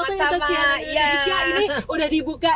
kalau saya nanti tersianan di indonesia ini udah dibuka